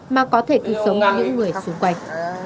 mà có thể cứu sống những người xung quanh